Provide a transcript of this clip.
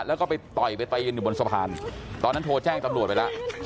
แล้วก็ไปต่อยไปตีกันอยู่บนสะพานตอนนั้นโทรแจ้งตำรวจไปแล้ว